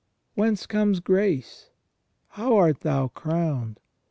... Whence comes grace? How art thou crowned?